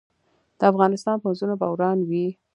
د افغانستان پوځونه به روان وي.